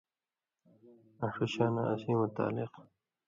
آں ݜُو شاناں اسیں متعلق